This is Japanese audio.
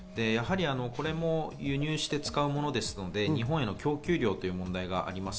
これも輸入して使うものですので、日本への供給量という問題があります。